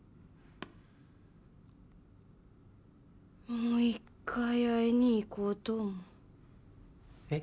もう一回会いに行こうと思うえっ？